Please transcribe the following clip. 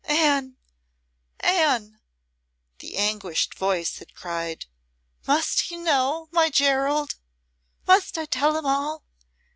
"Anne! Anne!" the anguished voice had cried. "Must he know my Gerald? Must I tell him all?